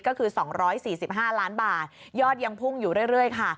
ก็คือ๒๔๕ล้านบาทยอดยังพุ่งอยู่เรื่อยค่ะ